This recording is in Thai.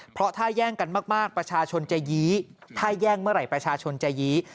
เพราะถ้าแย่งกันมากประชาชนจะยี้ถ้าแย่งเมื่อไหร่ประชาชนจะยื้อ